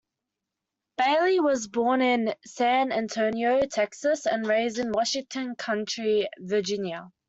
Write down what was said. Bailey was born in San Antonio, Texas, and raised in Washington County, Virginia.